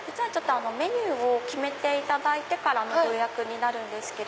メニューを決めていただいてからご予約になるんです。